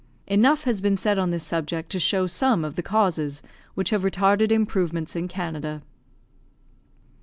Enough has been said on this subject to show some of the causes which have retarded improvements in Canada.